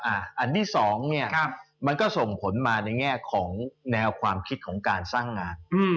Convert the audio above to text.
อันที่สองเนี่ยมันก็ส่งผลมาในแง่ของแนวความคิดของการสร้างงาน